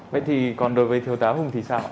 vậy thì còn đối với thiếu tá hùng thì sao ạ